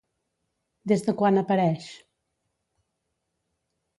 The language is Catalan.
Des de quan apareix?